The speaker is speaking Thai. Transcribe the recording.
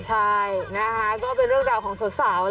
ใช่ก็เป็นเรื่องของสาว